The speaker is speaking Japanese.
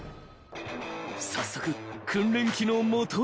［早速訓練機の元へ］